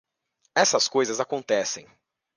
Essas coisas acontecem.